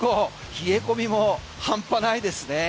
冷え込みも半端ないですね。